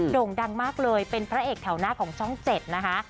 ่งดังมากเลยเป็นพระเอกแถวหน้าของช่อง๗นะคะ